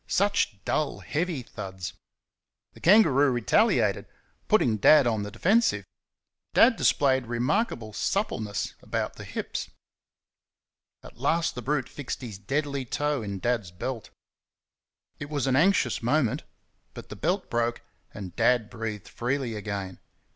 Such dull, heavy thuds! The kangaroo retaliated, putting Dad on the defensive. Dad displayed remarkable suppleness about the hips. At last the brute fixed his deadly toe in Dad's belt. It was an anxious moment, but the belt broke, and Dad breathed freely again.